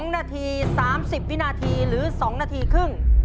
๒นาที๓๐วินาทีหรือ๒นาทีครึ่ง